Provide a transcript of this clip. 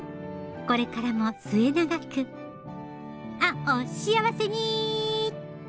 これからも末永くあっお幸せに！